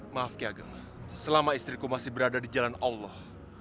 maaf kiage selama istriku masih berada di jalan allah